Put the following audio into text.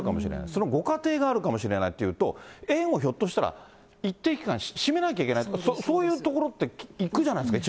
そのご家庭があるかもしれないというと、園をひょっとしたら一定期間、閉めなきゃいけない、そういうところっていくじゃないです